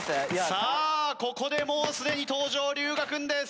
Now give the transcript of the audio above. さあここでもうすでに登場龍我君です。